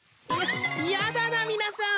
ややだな皆さん！